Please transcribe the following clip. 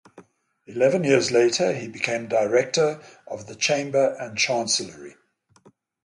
Eleven years later he became director of the chamber and chancellery.